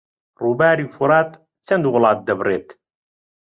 ڕووباری فورات چەند وڵات دەبڕێت؟